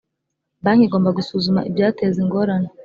Banki igomba gusuzuma ibyateza ingorane